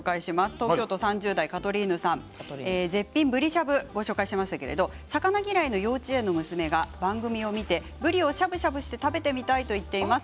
東京都３０代の方絶品ぶりしゃぶご紹介しましたが魚嫌いの幼稚園の娘が番組を見てぶりをしゃぶしゃぶして食べてみたいと言っています。